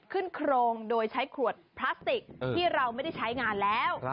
โครงโดยใช้ขวดพลาสติกที่เราไม่ได้ใช้งานแล้ว